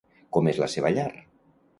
Com és la seva llar?